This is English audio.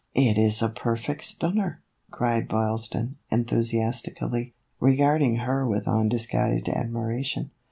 " It is a perfect stunner," cried Boylston, enthusi astically, regarding her with undisguised admira tion.